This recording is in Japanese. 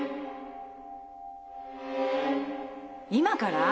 今から？